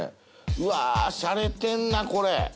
うわしゃれてんなこれ。